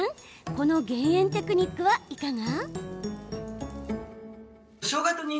この減塩テクニックはいかが？